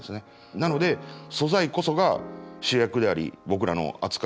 なので素材こそが主役であり僕らの扱う宝なんですね。